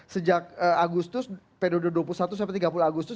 sejak agustus periode dua puluh satu sampai tiga puluh agustus